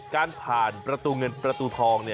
การผ่านประตูเงินประตูทอง